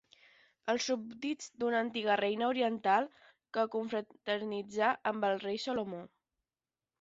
Els súbdits d'una antiga reina oriental que confraternitzà amb el rei Salomó.